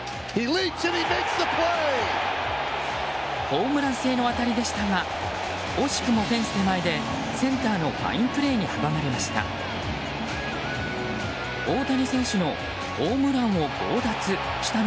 ホームラン性の当たりでしたが惜しくもフェンス手前でセンターのファインプレーに阻まれました。